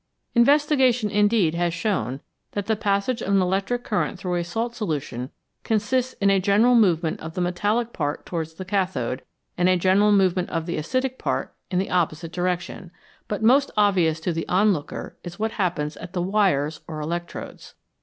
Investigation, indeed, has shown that the passage of an electric current through a salt solution consists in a general movement of the metallic part towards the cathode, and a general move ment of the acidic part in the opposite direction ; but most obvious to the onlooker is what happens at the wires or electrodes.